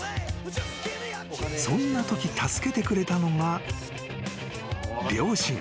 ［そんなとき助けてくれたのが両親］